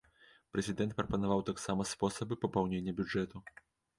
Прэзідэнт прапанаваў таксама спосабы папаўнення бюджэту.